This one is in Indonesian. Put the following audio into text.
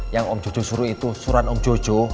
yang om jojo suruh itu surat om jojo